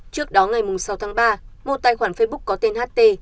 trước đó ngày sáu tháng ba một tài khoản facebook có tên ht